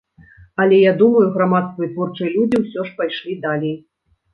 Але, я думаю, грамадства і творчыя людзі ўсё ж пайшлі далей.